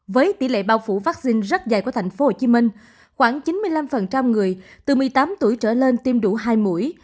với tỷ lệ bao phủ vaccine rất dày của tp hcm khoảng chín mươi năm người từ một mươi tám tuổi trở lên tiêm đủ hai mũi